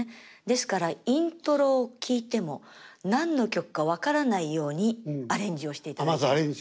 ですからイントロを聴いても何の曲か分からないようにアレンジをしていただいてます。